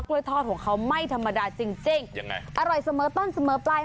ทอดของเขาไม่ธรรมดาจริงจริงยังไงอร่อยเสมอต้นเสมอปลาย